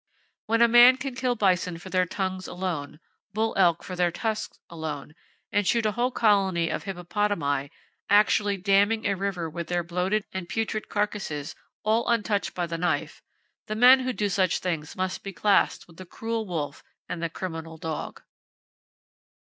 When a man can kill bison for their tongues alone, bull elk for their "tusks" alone, and shoot a whole colony of hippopotami,—actually damming a river with their bloated and putrid carcasses, all untouched by the knife,—the men who do such things must be classed with the cruel wolf and the criminal dog.